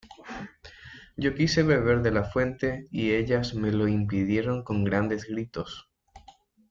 yo quise beber de la fuente, y ellas me lo impidieron con grandes gritos: